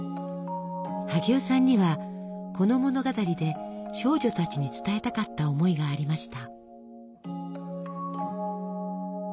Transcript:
萩尾さんにはこの物語で少女たちに伝えたかった思いがありました。